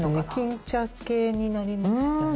金茶系になりましたね。